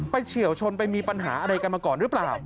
เฉียวชนไปมีปัญหาอะไรกันมาก่อนหรือเปล่า